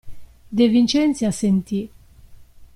De Vincenzi assentì.